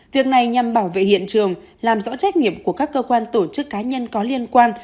việc này nhằm bảo vệ hiện trường làm rõ trách nhiệm của các cơ quan tổ chức cá nhân có liên quan